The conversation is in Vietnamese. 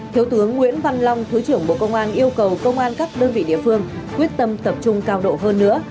thiếu tướng nguyễn văn long thứ trưởng bộ công an yêu cầu công an các đơn vị địa phương quyết tâm tập trung cao độ hơn nữa